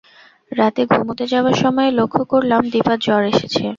রাতে ঘুমুতে যাবার সময়ে লক্ষ করলাম, দিপার জ্বর এসেছে।